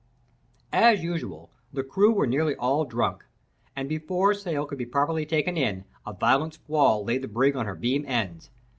As usual, the crew were nearly all drunk; and, before sail could be properly taken in, a violent squall laid the brig on her beam ends.